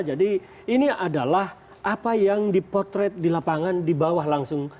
jadi ini adalah apa yang dipotret di lapangan di bawah langsung